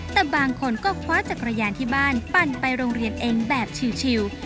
แต่บางคนก็คว้าจักรยานที่บ้านปั่นไปโรงเรียนเองแบบชิล